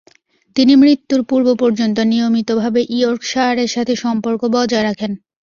তিনি মৃত্যুর পূর্ব-পর্যন্ত নিয়মিতভাবে ইয়র্কশায়ারের সাথে সম্পর্ক বজায় রাখেন।